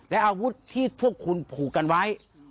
และอาวุธที่พวกคุณผูกกันไว้